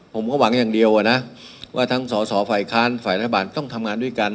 ผมก็หวังอย่างเดียวนะว่าทั้งสอสอฝ่ายค้านฝ่ายรัฐบาลต้องทำงานด้วยกัน